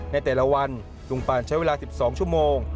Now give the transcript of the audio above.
ในแต่ละวันลุงปานใช้เวลา๑๒ชั่วโมง